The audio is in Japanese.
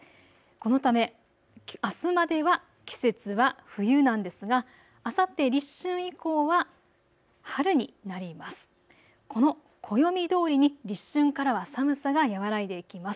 このため、あすまでは季節は冬なんですがあさって立春以降は春になります。